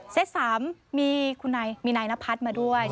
เซ็ต๓มีคุณนายมีนายนพัฒน์มาด้วย